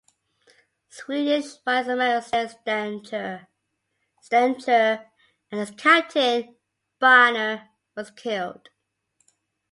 Swedish vice-admiral Sten Sture and his captain, Baner, were killed.